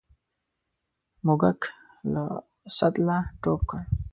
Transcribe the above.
موږک له سطله ټوپ کړ.